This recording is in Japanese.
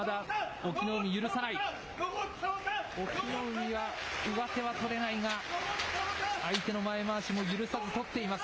隠岐の海は上手は取れないが、相手の前まわしも許さず取っています。